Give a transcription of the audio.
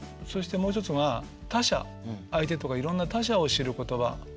そしてもう一つが他者相手とかいろんな他者を知る言葉。